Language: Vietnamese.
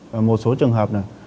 và một số trường hợp này